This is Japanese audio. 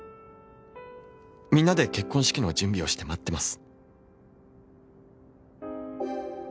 「みんなで結婚式の準備をして待っています」